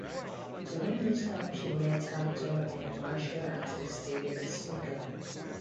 During this time she met actor and martial artist Steven Seagal.